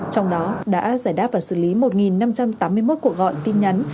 trong đó đã giải đáp và xử lý một năm trăm tám mươi một cuộc gọi tin nhắn